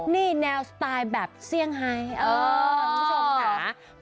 นี่แนวสไตล์แบบเซี่ยงไฮคุณผู้ชมค่ะ